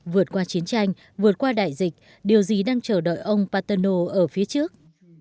vượt qua chiến tranh vượt qua đại dịch điều gì đang chờ đợi ông paterno ở phía trước